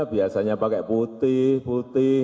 biasanya pakai putih putih